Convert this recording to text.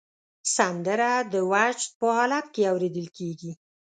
سندره د وجد په حالت کې اورېدل کېږي